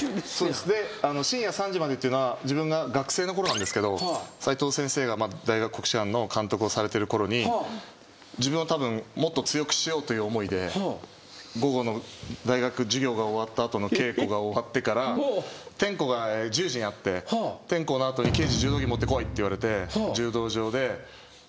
で深夜３時までっていうのは自分が学生の頃なんですけど斉藤先生が大学国士舘の監督をされてる頃に自分をたぶんもっと強くしようという思いで午後の大学授業が終わった後の稽古が終わってから点呼が１０時にあって点呼の後に。って言われて柔道場で。